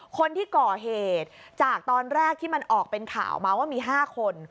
คนที่ก่อเหตุจากตอนแรกที่มันออกเป็นข่าวมาว่ามี๕คน